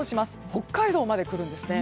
北海道まで来るんですね。